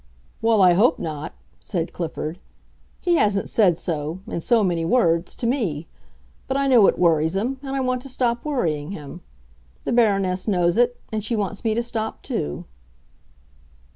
"Well, I hope not," said Clifford. "He hasn't said so—in so many words—to me. But I know it worries him; and I want to stop worrying him. The Baroness knows it, and she wants me to stop, too."